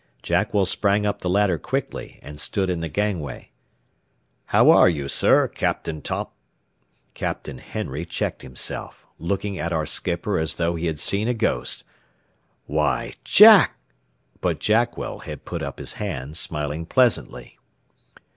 Jackwell sprang up the ladder quickly, and stood in the gangway. "How are you, sir, Captain Thomp " Captain Henry checked himself, looking at our skipper as though he had seen a ghost. "Why, Jack " But Jackwell had put up his hand, smiling pleasantly.